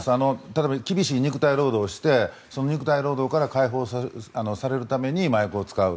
例えば厳しい肉体労働をしてその肉体労働から解放されるために麻薬を使う。